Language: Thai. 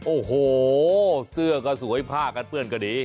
โอ้โหเสื้อก็สวยผ้ากันเปื้อนก็ดี